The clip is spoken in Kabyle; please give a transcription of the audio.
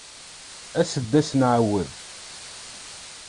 As-d ad as-nɛawed.